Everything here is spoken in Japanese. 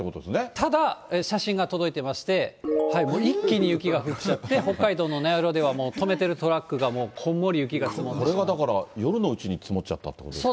ただ、写真が届いてまして、もう一気に雪が降っちゃって、北海道の名寄では、もう止めてるトラックが、これはだから、夜のうちに積もっちゃったということですか。